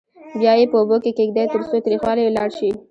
بیا یې په اوبو کې کېږدئ ترڅو تریخوالی یې لاړ شي.